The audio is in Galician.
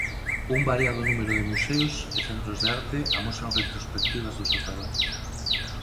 Un variado número de museos e centros de arte amosan retrospectivas do seu traballo.